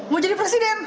mau jadi presiden